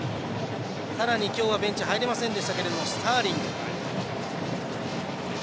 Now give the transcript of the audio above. さらに今日はベンチには入れませんでしたけどもスターリング。